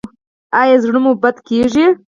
ایا زړه مو بد کیږي؟